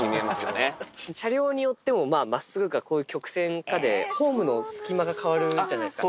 車両によっても、まっすぐかこういう曲線かで、ホームの隙間が変わるじゃないですか。